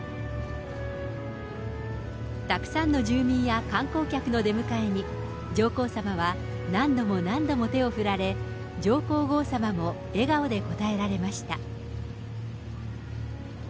たくさんの住民や観光客の出迎えに、上皇さまは何度も何度も手を振られ、上皇后さまも笑顔で応えられました。